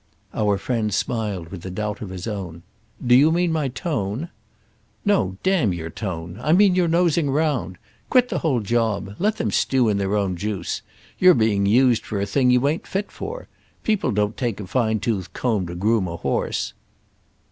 Our friend smiled with a doubt of his own. "Do you mean my tone?" "No—damn your tone. I mean your nosing round. Quit the whole job. Let them stew in their juice. You're being used for a thing you ain't fit for. People don't take a fine tooth comb to groom a horse."